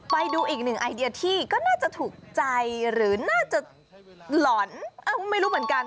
ไปดูอีกหนึ่งไอเดียที่ก็น่าจะถูกใจหรือน่าจะหล่อนไม่รู้เหมือนกัน